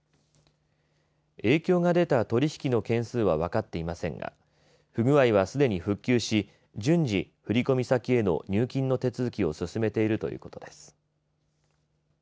影響が出た取り引きの件数は分かっていませんが不具合は、すでに復旧し順次、振り込み先への入金の手続きを進めているということです。